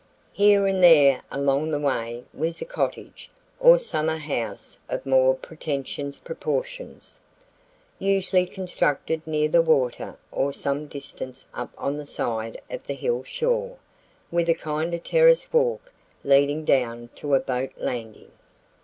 Here and there along the way was a cottage, or summer house of more pretentious proportions, usually constructed near the water or some distance up on the side of the hill shore, with a kind of terrace walk leading down to a boat landing.